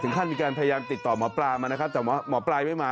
ถึงท่านมีการพยายามติดต่อหมอปลามาแต่หมอปลาไม่มา